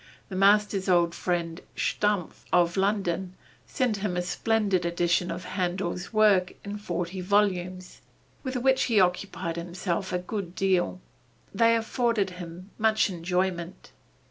The master's old friend, Stumpf, of London, sent him a splendid edition of Händel's works in forty volumes, with which he occupied himself a good deal. They afforded him much enjoyment.